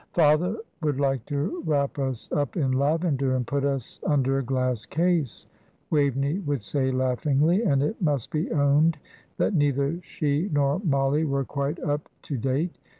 "Father would like to wrap us up in lavender, and put us under a glass case," Waveney would say, laughingly, and it must be owned that neither she nor Mollie were quite up to date.